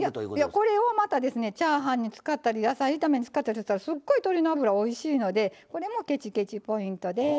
これをまたチャーハンに使ったり野菜炒めに使ったりしたらすっごい鶏の脂おいしいのでこれもケチケチ・ポイントです。